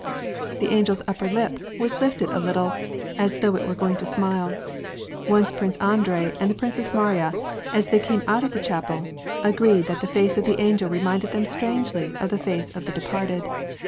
The angel's upper lip was lifted a little, as though it were going to smile. Once Prince Andrei and the Princess Mariya, as they came out of the chapel, agreed that the face of the angel reminded them strangely of the face of the departed.